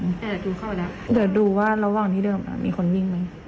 เดี๋ยวดูว่าระหว่างที่เดินหลังมีคนวิ่งไหม